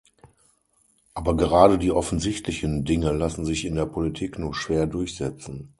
Aber gerade die offensichtlichen Dinge lassen sich in der Politik nur schwer durchsetzen.